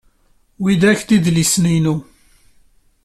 Widak d idlisen-inu.